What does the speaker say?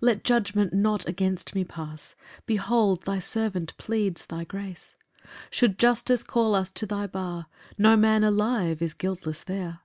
2 Let judgment not against me pass; Behold thy servant pleads thy grace: Should justice call us to thy bar, No man alive is guiltless there.